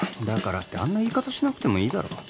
だからってあんな言い方しなくてもいいだろ